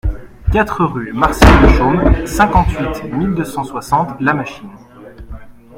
quatre rue Marcel Deschaumes, cinquante-huit mille deux cent soixante La Machine